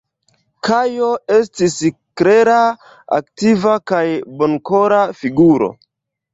Kajo estis klera, aktiva kaj bonkora figuro.